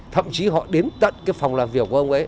thậm chí họ đến tận cái phòng làm việc của ông ấy